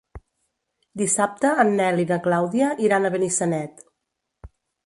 Dissabte en Nel i na Clàudia iran a Benissanet.